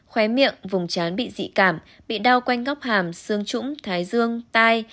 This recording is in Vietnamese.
khóe miệng vùng trán bị dị cảm bị đau quanh góc hàm xương trũng thái dương tai